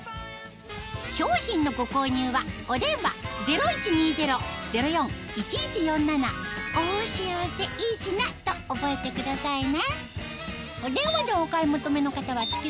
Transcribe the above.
商品のご購入はお電話０１２０−０４−１１４７と覚えてくださいね